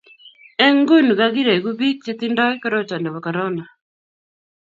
eng' nguni kakireku biik che tingdoi koroito nebo korona